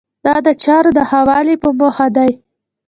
دا د چارو د ښه والي په موخه دی.